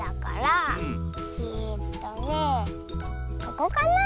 ここかな。